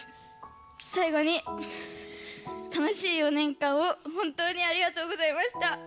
最後に楽しい４年間を本当にありがとうございました！